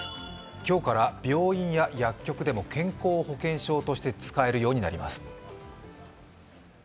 今日から病院や薬局でも健康保険証として使えるようになります。